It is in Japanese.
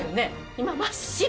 今真っ白！